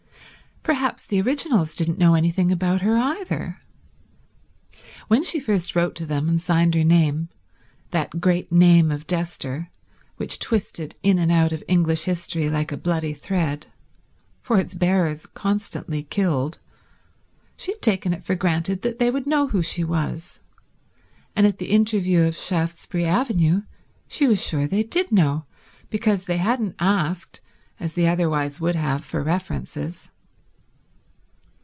Perhaps the originals didn't know anything about her either. When she first wrote to them and signed her name, that great name of Dester which twisted in and out of English history like a bloody thread, for its bearers constantly killed, she had taken it for granted that they would know who she was; and at the interview of Shaftesbury Avenue she was sure they did know, because they hadn't asked, as they otherwise would have, for references.